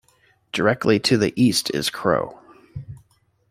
Directly to the east is Krogh.